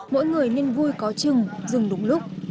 mỗi người nên vui có chừng dừng đúng lúc